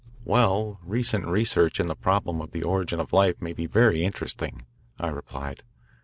"Well, recent research in the problem of the origin of life may be very interesting," I replied.